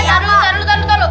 tahan dulu tahan dulu tahan dulu